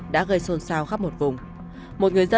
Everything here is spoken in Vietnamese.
đã gây xôn xao khắp một vùng